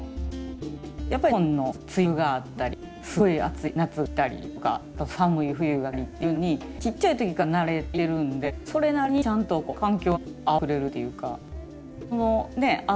やっぱり日本の梅雨があったりすっごい暑い夏が来たりとか寒い冬が来たりっていうのにちっちゃい時から慣れていってるんでそれなりにちゃんとこう環境に合わせてくれるっていうか。